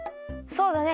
そうだね。